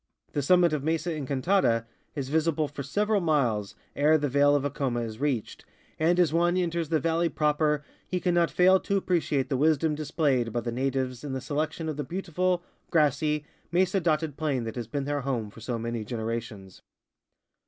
The summit of ]\Iesa En cantada is visible for several miles ere the vale of Aconia is reached, and as one enters the valley proper he cannot fail to appreciate the wisdom displayed by the natives in the selection of the beautiful, grassy, mesa dotted plain that has been their home for so many generations.